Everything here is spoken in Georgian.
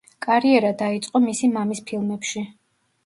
კარიერა დაიწყო მისი მამის ფილმებში.